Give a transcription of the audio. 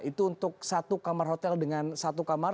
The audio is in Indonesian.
itu untuk satu kamar hotel dengan satu kamar